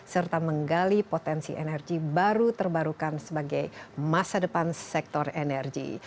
serta menggali potensi energi baru terbarukan sebagai masa depan sektor energi